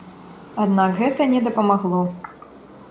Аднак гэта не дапамагло.